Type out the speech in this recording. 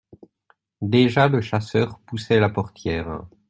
Déjà le chasseur poussait la portière.